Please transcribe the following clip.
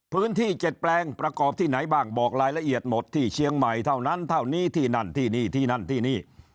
พื้นที่๗แปลงประกอบที่ไหนบ้างบอกรายละเอียดหมดที่เชียงใหม่เท่านั้นเท่านี้ที่นั่นที่นี่ที่นั่นที่นี่